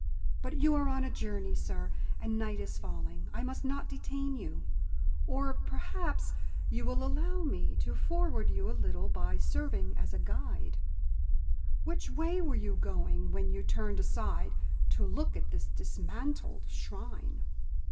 But you are on a journey, sir, and night is falling. I must not detain you. Or perhaps you will allow me to forward you a little by serving as a guide. Which way were you going when you turned aside to look at this dismantled shrine?"